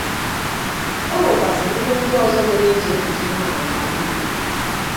E nwekwàzịrị ihe ndị ọzọ mere e ji ekuchi nwannyị n'ala Igbo